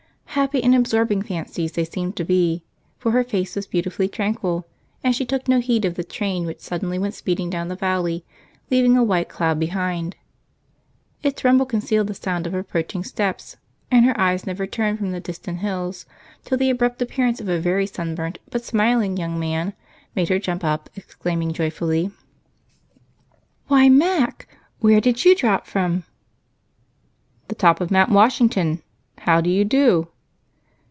Happy and absorbing fancies they seemed to be, for her face was beautifully tranquil, and she took no heed of the train which suddenly went speeding down the valley, leaving a white cloud behind. Its rumble concealed the sound of approaching steps, and her eyes never turned from the distant hills till the abrupt appearance of a very sunburned but smiling young man made her jump up, exclaiming joyfully: "Why, Mac! Where did you drop from?" "The top of Mount Washington. How do you do?"